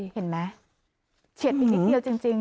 เห็นไหมเฉียดไปนิดเดียวจริง